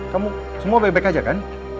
kamu semua baik baik aja kan